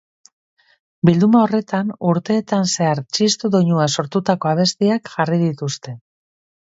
Bilduma honetan urteetan zehar txistu doinuaz sortutako abestiak jarri dituzte.